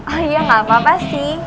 oh iya enggak apa apa sih